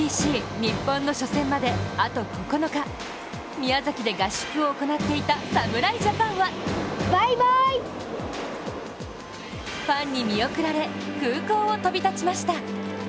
宮崎で合宿を行っていた侍ジャパンはファンに見送られ、空港を飛び立ちました。